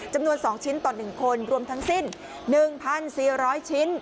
จำนวน๒ชิ้นต่อ๑คนรวมทั้งสิ้น๑๔๐๐ชิ้น